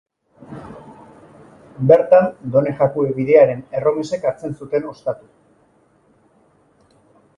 Bertan, Done Jakue bidearen erromesek hartzen zuten ostatu.